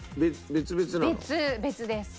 別々です。